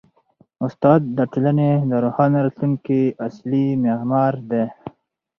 استاد د ټولني د روښانه راتلونکي اصلي معمار دی.